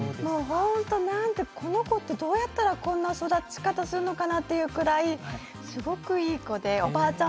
この子ってどうやったらこんな育ち方をするのかなというぐらいすごくいい子でおばあちゃん